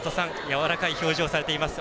やわらかい表情されてます。